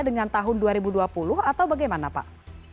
dengan tahun dua ribu dua puluh atau bagaimana pak